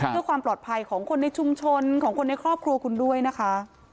เพื่อความปลอดภัยของคนในชุมชนของคนในครอบครัวคุณด้วยนะคะ